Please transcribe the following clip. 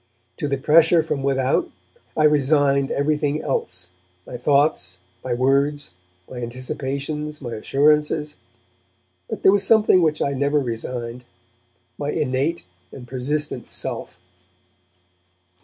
To the pressure from without I resigned everything else, my thoughts, my words, my anticipations, my assurances, but there was something which I never resigned, my innate and persistent self.